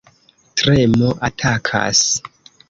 Tremo atakas.